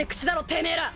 てめえら。